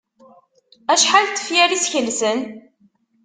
Acḥal n tefyar i skelsen?